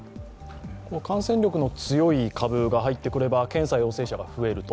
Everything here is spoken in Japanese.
感染力の強い株が入ってくれば検査陽性者が増えると。